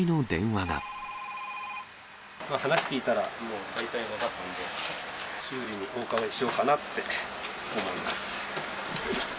話聞いたら、もう大体分かったので、修理にお伺いしようかなって思います。